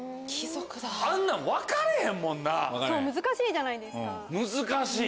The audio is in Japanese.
難しいじゃないですか。